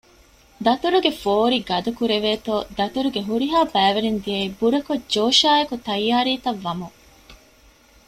ދަތުރުގެ ފޯރި ގަދަކުރެވޭތޯ ދަތުރުގެ ހުރިހާ ބައިވެރިން ދިޔައީ ބުރަކޮށް ޖޯޝާއެކު ތައްޔާރީ ތައް ވަމުން